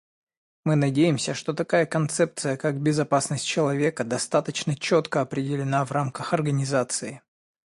Мы надеемся, что такая концепция, как безопасность человека, достаточно четко определена в рамках Организации.